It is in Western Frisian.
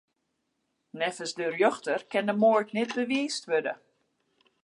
Neffens de rjochter kin de moard net bewiisd wurde.